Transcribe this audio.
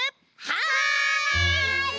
はい！